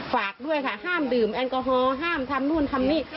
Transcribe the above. ฝากด้วยค่ะห้ามดื่มแอลกอฮอล์ห้ามทำนู่นทำนี่